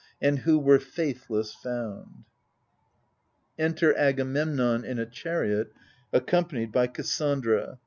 And who were faithless found. \Enter Agamemnon in a chariot^ accom panied by Cassandra.